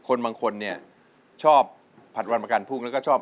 คนคนนี้ชอบผัดวันประกันภูมิก็ชอบ